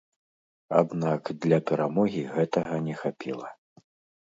Аднак для перамогі гэтага не хапіла.